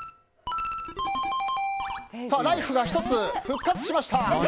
ライフが１つ復活しました。